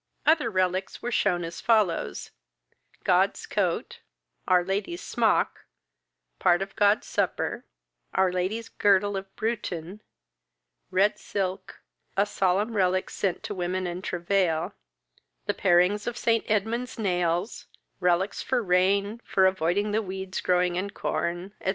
Other relics were shewn as follows: God's coat, our Lady's smock, part of God's supper, our Lady's girdle of Bruton; red silke, a solemne relic sent to women in travail; the parings of St. Edmund's nails, relics for rain, for avoiding the weeds growing in corn, &c.